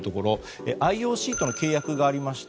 ＩＯＣからの契約がありまして